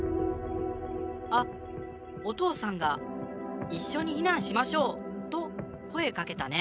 あっお父さんが『一緒に避難しましょう』と声かけたね。